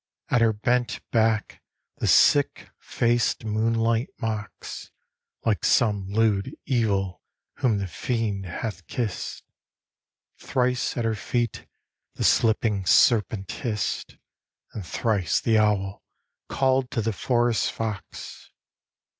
At her bent back the sick faced moonlight mocks, Like some lewd evil whom the Fiend hath kissed; Thrice at her feet the slipping serpent hissed, And thrice the owl called to the forest fox.